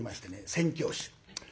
宣教師。